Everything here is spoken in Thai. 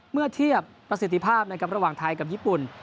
เมื่อเทียบประสิทธิภาพนะครับระหว่างไทยกับญี่ปุ่น